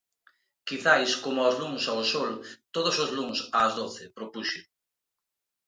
"Quizais como aos luns ao sol, todos os luns ás doce", propuxo.